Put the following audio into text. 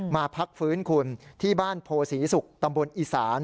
มาพักฟื้นคุณที่บ้านโพศรีศุกร์ตำบลอีสาน